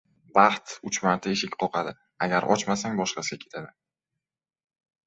• Baxt uch marta eshik qoqadi, agar ochmasang boshqasiga ketadi.